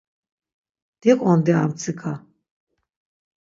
Diqondi armtsika.